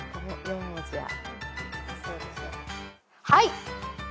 はい。